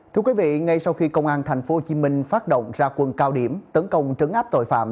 thưa quý vị ngay sau khi công an tp hcm phát động ra quân cao điểm tấn công trấn áp tội phạm